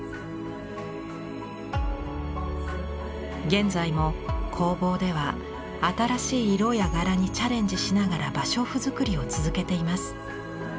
現在も工房では新しい色や柄にチャレンジしながら芭蕉布作りを続けています。